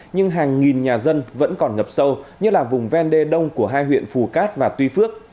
nhưng hàng nghìn nhà dân vẫn còn ngập sâu như là vùng ven đê đông của hai huyện phù cát và tuy phước